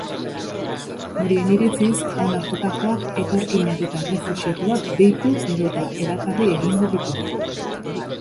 Horien iritziz, onartutakoak etorkinak eta errefuxiatuak deitu edota erakarri egingo ditu.